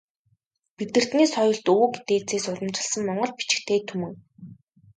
Бидэртний соёлт өвөг дээдсээс уламжилсан монгол бичигтэй түмэн.